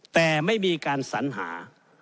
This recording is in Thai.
แต่ไม่มีการสัญหา